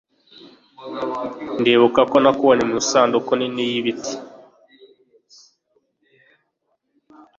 ndibuka ko nakubonye mu isanduku nini y'ibiti